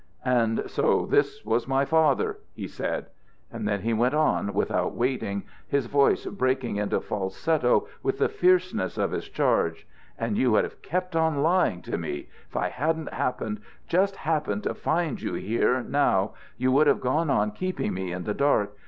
"And so this was my father," he said. And then he went on without waiting, his voice breaking into falsetto with the fierceness of his charge. "And you would have kept on lying to me! If I hadn't happened, just happened, to find you here, now, you would have gone on keeping me in the dark!